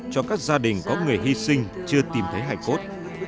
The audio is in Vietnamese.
cho các gia đình có người hy sinh chưa tìm thấy hải cốt